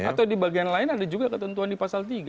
atau di bagian lain ada juga ketentuan di pasal tiga